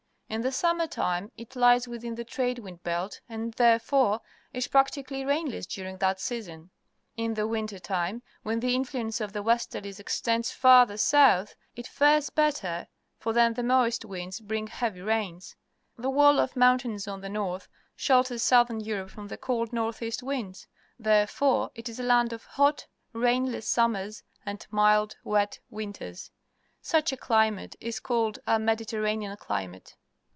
In the summer time it lies within the trade wind belt, and, therefore, is practically rainless during that season. In the winter time, when the influence of the westerlies extends farther south, it fares better, for then the moist winds bring heavy rains. The wall of mountains on the north shelters Southern Europe from the cold north east winds. Therefore it is a land of hot, rain less summers and mild, wet winters. Such a climate is called a Mediterranean climate.